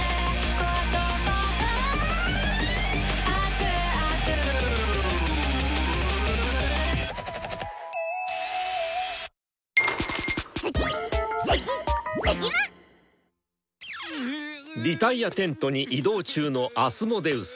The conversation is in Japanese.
脱落テントに移動中のアスモデウス。